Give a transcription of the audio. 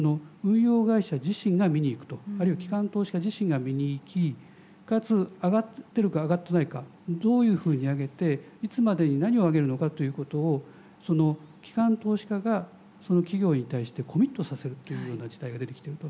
あるいは機関投資家自身が見に行きかつ上がってるか上がってないかどういうふうに上げていつまでに何を上げるのかということを機関投資家がその企業に対してコミットさせるっていうような事態が出てきていると。